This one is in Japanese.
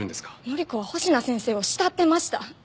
範子は星名先生を慕ってました。